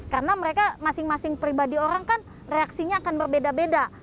karena mereka masing masing pribadi orang kan reaksinya akan berbeda beda